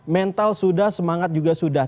mental sudah semangat juga sudah